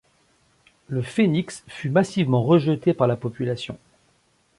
Le phénix fut massivement rejeté par la population.